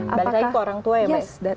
balik lagi ke orang tua ya mbak